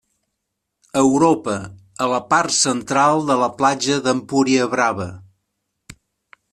Europa, a la part central de la platja d'Empuriabrava.